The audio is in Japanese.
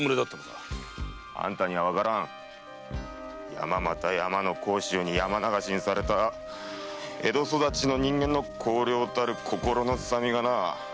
山また山の甲州に山流しにされた江戸育ちの人間の荒涼たる心のすさみがな。